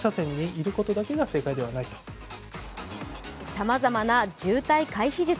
さまざまな渋滞回避術。